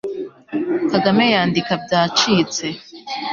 kagame yandika byacitse